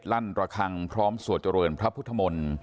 ลั่นตรกังพร้อมสวจรวนพระพุทธมนตร์